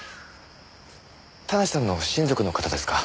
田無さんの親族の方ですか？